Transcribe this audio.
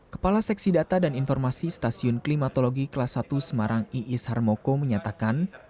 kepala seksi data dan informasi stasiun klimatologi kelas satu semarang iis harmoko menyatakan